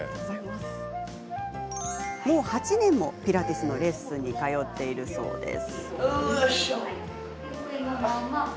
もう８年もピラティスのレッスンに通っているそうです。